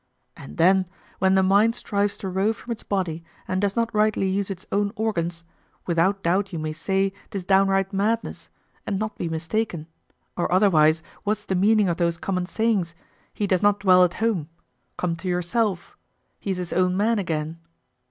And then, when the mind strives to rove from its body and does not rightly use its own organs, without doubt you may say 'tis downright madness and not be mistaken, or otherwise what's the meaning of those common sayings, "He does not dwell at home," "Come to yourself," "He's his own man again"?